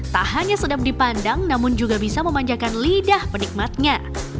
tak hanya sedap dipandang namun juga bisa memanjakan lidah penikmatnya